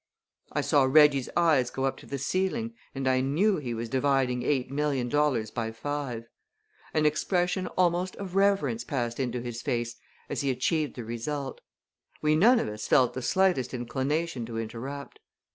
I saw Reggie's eyes go up to the ceiling and I knew he was dividing eight million dollars by five. An expression almost of reverence passed into his face as he achieved the result. We none of us felt the slightest inclination to interrupt.